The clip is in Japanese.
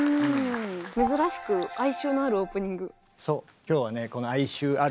珍しく哀愁のあるオープニング。